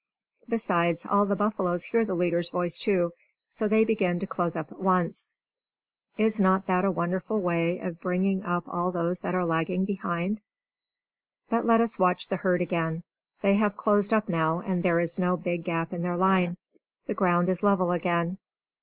Besides, all the buffaloes hear the leader's voice too; so they begin to close up at once. Is not that a wonderful way of bringing up all those that are lagging behind? But let us watch the herd again. They have closed up now, and there is no big gap in their line. The ground is level again.